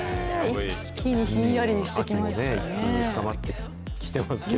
一気にひんやりしてきましたね。